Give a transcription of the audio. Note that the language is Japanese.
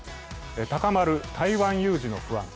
高まる台湾有事への不安。